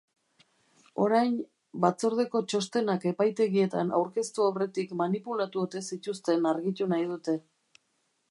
Orain, batzordeko txostenak epaitegietan aurkeztu aurretik manipulatu ote zituzten argitu nahi dute.